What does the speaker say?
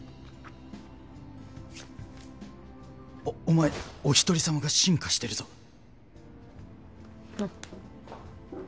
おっお前お一人さまが進化してるぞ